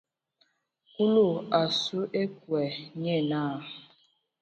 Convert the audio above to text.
Kulu a su ekɔɛ, nye naa.